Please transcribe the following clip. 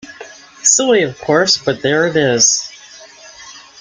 Silly, of course, but there it is.